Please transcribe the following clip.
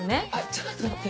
ちょっと待って。